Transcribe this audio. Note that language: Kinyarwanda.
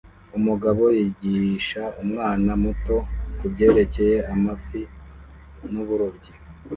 Umugabo yigisha umwana muto kubyerekeye amafi n'uburobyi